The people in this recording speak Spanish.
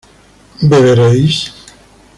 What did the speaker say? ¿beberéis?